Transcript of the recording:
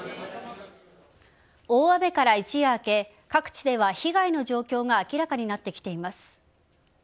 大雨から一夜明け各地では被害の状況が明らかになってきています。